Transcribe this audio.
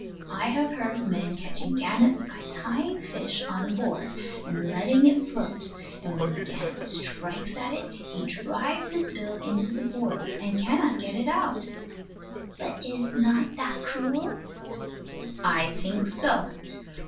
I have heard of men catching gannets by tying a fish on a board, and letting it float; and when the gannet strikes at it he drives his bill into the board, and cannot get it out. But is not that cruel? I think so.